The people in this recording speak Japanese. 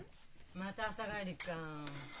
また朝帰りか。